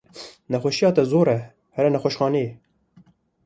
Nexweşiya te zor e here nexweşxaneyê.